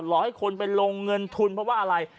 รอให้คนไปลงเงินทุนเพราะว่าอะไร